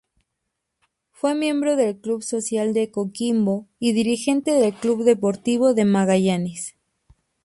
Fue miembro del Club Social de Coquimbo y dirigente del Club Deportivo Magallanes.